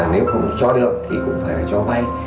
nếu không cho được thì cũng phải cho may